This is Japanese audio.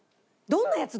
どんなやつ？